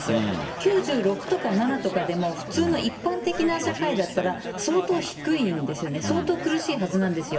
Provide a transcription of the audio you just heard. ９６とか７とかでも普通の一般的な社会だったら相当低いんですよね、相当苦しいはずなんですよ。